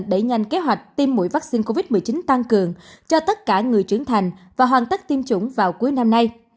đẩy nhanh kế hoạch tiêm mũi vaccine covid một mươi chín tăng cường cho tất cả người trưởng thành và hoàn tất tiêm chủng vào cuối năm nay